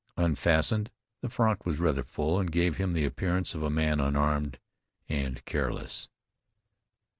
Unfastened, the frock was rather full, and gave him the appearance of a man unarmed and careless.